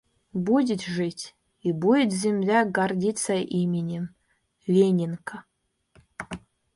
Будет жить, и будет земля гордиться именем: Ленинка.